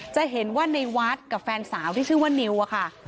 จะเห็นว่าในวัดกับแฟนสาวที่ชื่อว่านิวอะค่ะ